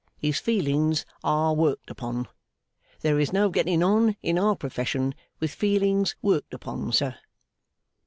His feelings are worked upon. There is no getting on, in our profession, with feelings worked upon, sir.